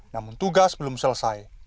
namun tugas belum selesai